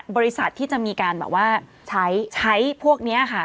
บริษัทที่จะมีการแบบว่าใช้ใช้พวกนี้ค่ะ